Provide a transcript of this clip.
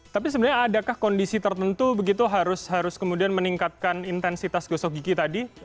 tapi sebenarnya adakah kondisi tertentu begitu harus kemudian meningkatkan intensitas gosok gigi tadi